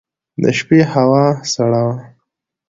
د شپې هوا سړه وه.